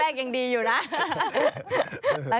แรกแรกยังดีอยู่นะ